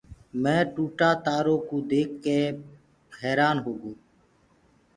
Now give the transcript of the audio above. مينٚ ٽوٽآ تآرآ ڪوُ ديک ڪيٚ حيرآن هوگو۔